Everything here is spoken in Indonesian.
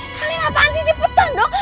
kalian apaan sih cepetan dong